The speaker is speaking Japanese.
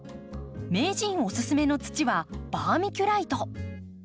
名人おすすめの土はバーミキュライト。